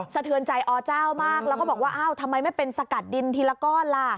เทือนใจอเจ้ามากแล้วก็บอกว่าอ้าวทำไมไม่เป็นสกัดดินทีละก้อนล่ะ